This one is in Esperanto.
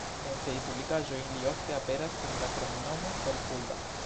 En siaj publikaĵoj li ofte aperas kun la kromnomo "el Fulda".